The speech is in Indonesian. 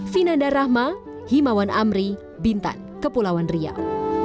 vinanda rahma himawan amri bintan kepulauan riau